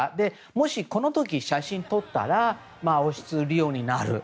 もし、この時写真を撮ったら王室利用になる。